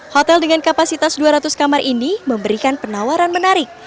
hotel dengan kapasitas dua ratus kamar ini memberikan penawaran menarik